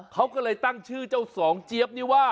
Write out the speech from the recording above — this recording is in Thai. เขาก็เลยตั้งชื่อเจ้าสองเจี๊ยบนี่ว่า